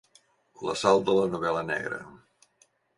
La sal de la novel·la negra.